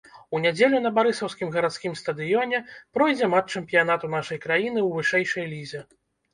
У нядзелю на барысаўскім гарадскім стадыёне пройдзе матч чэмпіянату нашай краіны ў вышэйшай лізе.